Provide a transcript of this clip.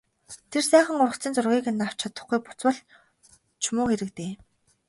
Тэр сайхан ургацын зургийг нь авч чадахгүй буцвал ч муу хэрэг дээ...